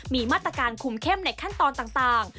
มีมาตรการคุมเข้มในขั้นตอนต่าง